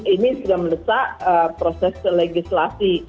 ini sudah mendesak proses legislasi